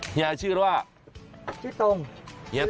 เฮียชื่ออะไรว่ะ